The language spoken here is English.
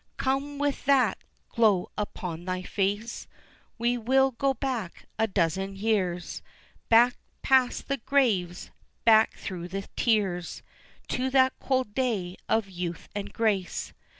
Come, with that glow upon thy face We will go back a dozen years, Back past the graves, back through the tears, To that cold day of youth and grace.